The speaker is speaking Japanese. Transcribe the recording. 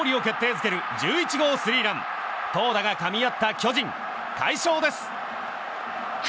づける１１号スリーラン投打がかみ合った巨人快勝です！